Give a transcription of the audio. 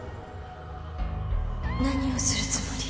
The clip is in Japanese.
何をするつもり？